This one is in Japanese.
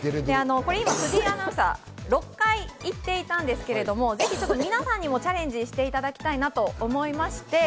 これ今、藤井アナウンサーは６回って言ったんですが皆さんにもチャレンジしていただきたいと思いまして。